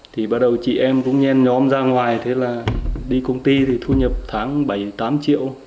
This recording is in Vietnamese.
thì bắt đầu chị em cũng nhen nhóm ra ngoài thế là đi công ty thì thu nhập tháng bảy tám triệu